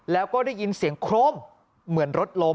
แล้วก็ได้ยินเสียงโครมเหมือนรถล้ม